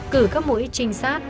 cử các mũi trinh sát